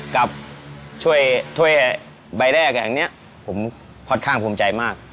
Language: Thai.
แบบช่วยทวยบายแรกอันเนี้ยผมพอดข้างภูมิใจมาก